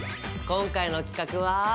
今回の企画は？